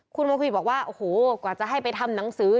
คุณโมควิดบอกว่าโอ้โหกว่าจะให้ไปทำหนังสือ